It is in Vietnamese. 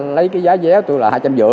lấy cái giá vé tôi là hai trăm năm mươi